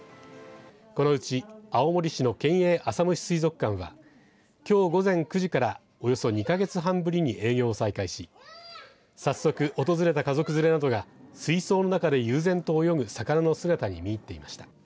このうち青森市の県営浅虫水族館はきょう午前９時からおよそ２か月半ぶりに営業を再開し早速、訪れた家族連れなどが水槽の中で悠然と泳ぐ魚の姿に見入っていました。